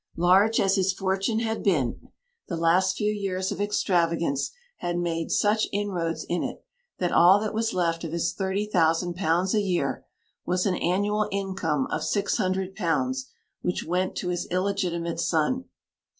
Large as his fortune had been, the last few years of extravagance had made such inroads in it that all that was left of his £30,000 a year was an annual income of £600, which went to his illegitimate son.